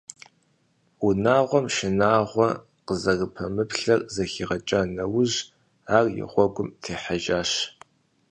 Унагъуэм шынагъуэ къызэрыпэмыплъэр зэхигъэкӀа нэужь ар и гъуэгум техьэжащ.